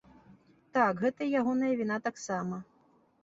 Так, гэта і ягоная віна таксама.